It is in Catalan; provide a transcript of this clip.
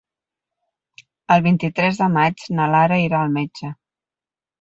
El vint-i-tres de maig na Lara irà al metge.